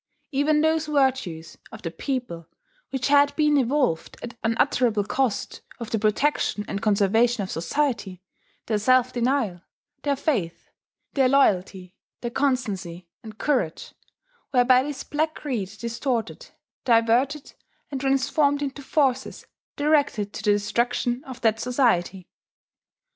Even those virtues of the people which had been evolved at unutterable cost for the protection and conservation of society, their self denial, their faith, their loyalty, their constancy and courage, were by this black creed distorted, diverted, and transformed into forces directed to the destruction of that society.